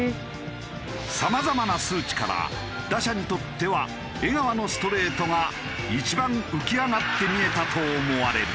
さまざまな数値から打者にとっては江川のストレートが一番浮き上がって見えたと思われる。